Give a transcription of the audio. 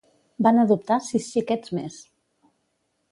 Van adoptar sis xiquets més.